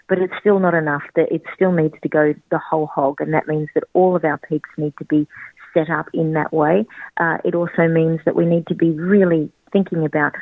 untuk bisa melakukan ini